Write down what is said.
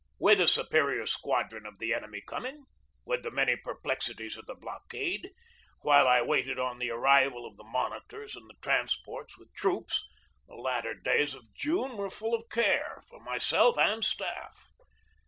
With a superior squadron of the enemy coming, with the many perplexities of the blockade, while I waited on the arrival of the monitors and the trans ports with troops, the latter days of June were full of care for myself and staff.